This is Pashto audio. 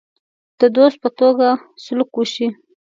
د دوست په توګه سلوک وشي.